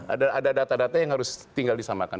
ada data data yang harus tinggal disamakan